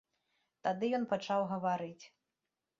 Тады ён пачаў гаварыць.